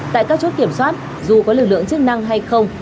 tại các chốt kiểm soát dù có lực lượng chức năng hay không